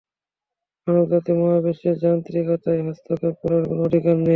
মানবজাতির মহাবিশ্বের যান্ত্রিকতায় হস্তক্ষেপ করার কোনো অধিকার নেই।